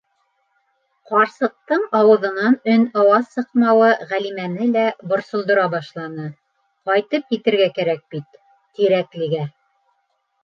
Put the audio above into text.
Ҡарсыҡтың ауыҙынан өн-ауаз сыҡмауы Ғәлимәне лә борсолдора башланы - ҡайтып етергә кәрәк бит Тирәклегә!